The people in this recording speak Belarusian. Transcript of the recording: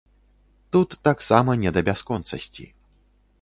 Тут таксама не да бясконцасці.